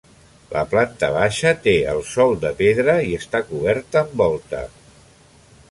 La planta baixa té el sòl de pedra i està coberta amb volta.